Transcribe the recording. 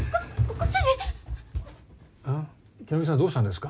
清美さんどうしたんですか？